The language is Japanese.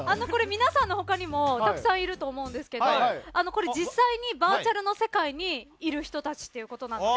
皆さんの他にもたくさんいると思うんですけど実際にバーチャルの世界にいる人たちということなので。